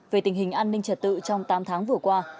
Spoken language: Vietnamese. về tình hình an ninh trật tự trong tám tháng vừa qua